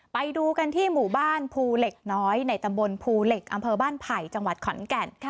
ไปดูกันที่หมู่บ้านภูเหล็กน้อยในตำบลภูเหล็กอำเภอบ้านไผ่จังหวัดขอนแก่น